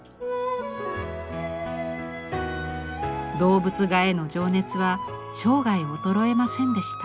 動物画への情熱は生涯衰えませんでした。